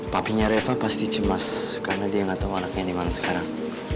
papinya reva pasti cemas karena dia nggak tahu anaknya dimana sekarang